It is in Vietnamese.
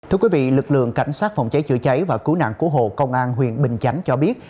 thưa quý vị lực lượng cảnh sát phòng cháy chữa cháy và cứu nạn cứu hộ công an huyện bình chánh cho biết